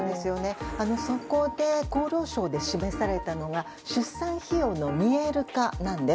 そこで、厚労省で示されたのが出産費用の見える化なんです。